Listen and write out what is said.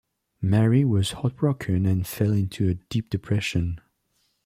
Mary was heartbroken and fell into a deep depression.